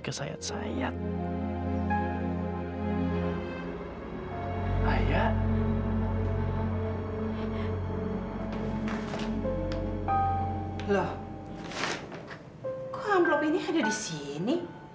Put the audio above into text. kok angklop ini ada di sini